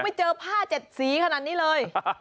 ยังไม่เจอผ้าเจ็ดสีขนาดนี้เลย